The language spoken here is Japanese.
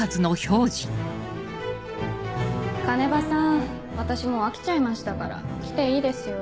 鐘場さん私もう飽きちゃいましたから来ていいですよ。